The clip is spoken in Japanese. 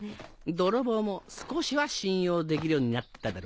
泥棒も少しは信用できるようになっただろ？